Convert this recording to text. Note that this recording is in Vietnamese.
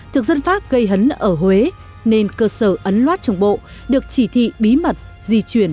thực dân pháp gây hấn ở huế nên cơ sở ấn loát trung bộ được chỉ thị bí mật di chuyển